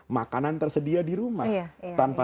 makanan tersedia di rumah tanpa